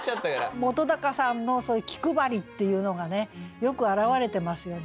本さんのそういう気配りっていうのがねよく表れてますよね。